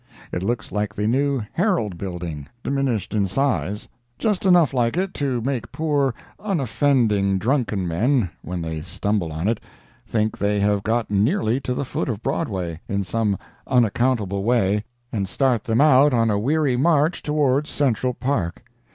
It looks like the new Herald building, diminished in size, just enough like it to make poor, unoffending drunken men, when they stumble on it, think they have got nearly to the foot of Broadway, in some unaccountable way, and start them out on a weary march towards Central Park.